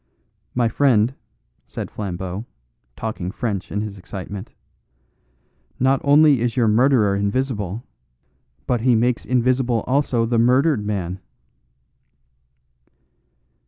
"My friend," said Flambeau, talking French in his excitement, "not only is your murderer invisible, but he makes invisible also the murdered man."